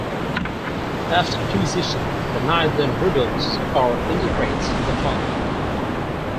After acquisition, the knight then rebuilds, or integrates the firm.